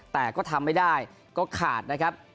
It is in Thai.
แต่ก็ทำไม่ได้ก็ขาดนะครับ